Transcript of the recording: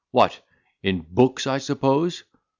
What? in books, I suppose.